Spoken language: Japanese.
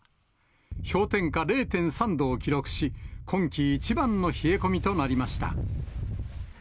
氷点下０．３度を記録し、今季一番の冷え込みとなりました。